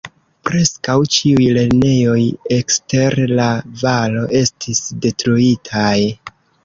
Preskaŭ ĉiuj lernejoj ekster la valo estis detruitaj.